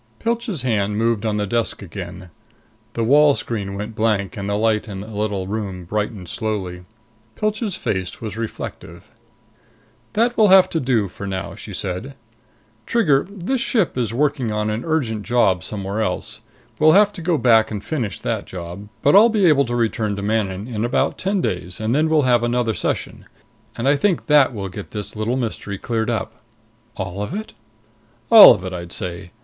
Pilch's hand moved on the desk again. The wall screen went blank, and the light in the little room brightened slowly. Pilch's face was reflective. "That will have to do for now," she said. "Trigger, this ship is working on an urgent job somewhere else. We'll have to go back and finish that job. But I'll be able to return to Manon in about ten days, and then we'll have another session. And I think that will get this little mystery cleared up." "All of it?" "All of it, I'd say.